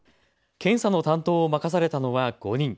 検査の担当を任されたのは５人。